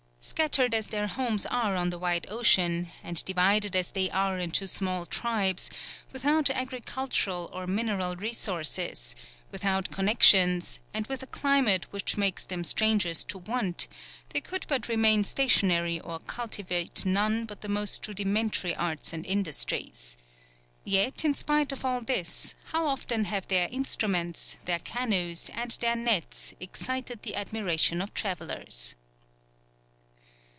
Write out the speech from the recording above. Scattered as their homes are on the wide ocean, and divided as they are into small tribes, without agricultural or mineral resources, without connexions, and with a climate which makes them strangers to want, they could but remain stationary or cultivate none but the most rudimentary arts and industries. Yet in spite of all this, how often have their instruments, their canoes, and their nets, excited the admiration of travellers.